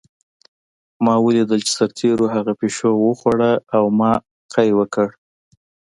ما ولیدل چې سرتېرو هغه پیشو وخوړه او ما قی وکړ